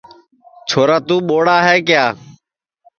چھورا توں ٻوڑ ہے کیا